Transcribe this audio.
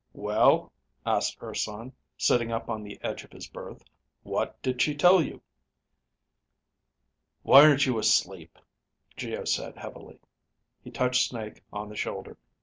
"Well?" asked Urson, sitting up on the edge of his berth. "What did she tell you?" "Why aren't you asleep?" Geo said heavily. He touched Snake on the shoulder.